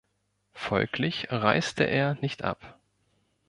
Folglich reiste er nicht ab.